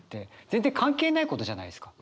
全然関係ないことじゃないですか。